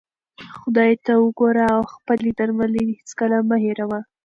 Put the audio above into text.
خدای ته وګوره او خپلې درملې هیڅکله مه هېروه.